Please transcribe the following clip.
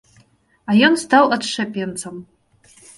А ён стаў адшчапенцам.